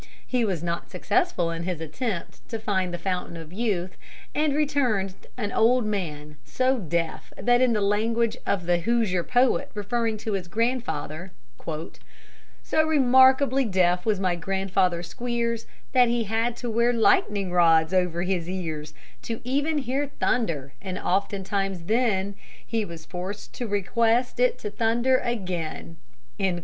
He was not successful in his attempt to find the Fountain of Youth, and returned an old man so deaf that in the language of the Hoosier poet referring to his grandfather, "So remarkably deaf was my grandfather Squeers That he had to wear lightning rods over his ears To even hear thunder, and oftentimes then He was forced to request it to thunder again."